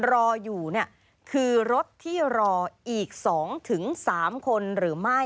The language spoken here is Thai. รออยู่คือรถที่รออีก๒๓คนหรือไม่